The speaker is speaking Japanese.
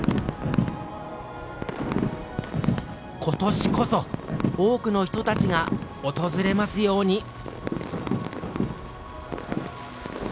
ことしこそ多くの人たちが訪れますように。